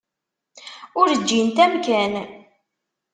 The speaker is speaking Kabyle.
Ur ǧǧint amkan.